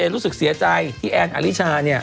รู้สึกเสียใจที่แอนอลิชาเนี่ย